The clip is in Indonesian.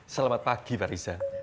selamat pagi barisan